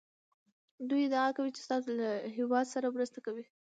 دوی ادعا کوي چې ستاسو له هېواد سره مرسته کوو